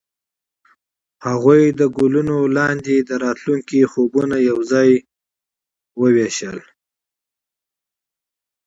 هغوی د ګلونه لاندې د راتلونکي خوبونه یوځای هم وویشل.